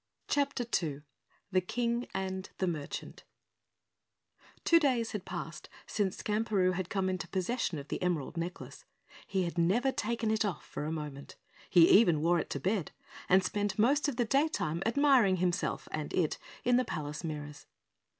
CHAPTER 2 The King and the Merchant Two days had passed since Skamperoo had come into possession of the emerald necklace. He had never taken it off for a moment. He even wore it to bed, and spent most of the daytime admiring himself and it in the palace mirrors.